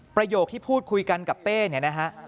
ประโยคที่พูดคุยกันกับเป้เนี่ยนะฮะ